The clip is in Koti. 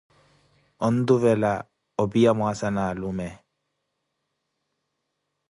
Ontuvela opiya mwaasa na atuluwe.